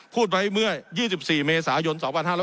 พูดไว้เมื่อ๒๔เมษายน๒๕๖๐